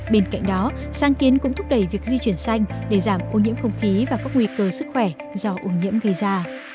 bên cạnh đó sang kiến cũng thúc đẩy việc di chuyển xanh để giảm ô nhiễm không khí và các nguy cơ sức khỏe do ô nhiễm gây ra